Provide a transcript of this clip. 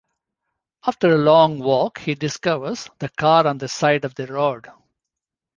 After a long walk, he discovers the car on the side of the road.